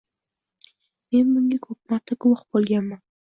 Men bunga ko'p marta guvoh bo'lganman